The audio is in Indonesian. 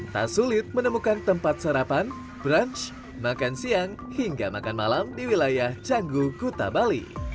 tak sulit menemukan tempat sarapan brunch makan siang hingga makan malam di wilayah canggu kuta bali